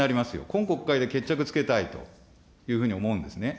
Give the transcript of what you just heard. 今国会で決着つけたいというふうに思うんですね。